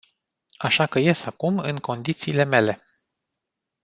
Așa că ies acum în condițiile mele”.